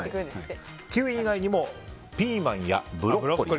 キウイ以外にもピーマンやブロッコリー。